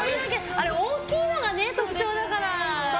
あれ、大きいのが特徴だから。